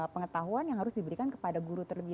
pengetahuan yang harus diberikan kepada guru terlebih